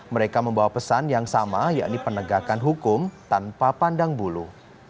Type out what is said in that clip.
mereka membawa pesan yang sama yakni penegakan hukum tanpa pandang bulu